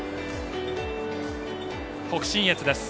北信越です。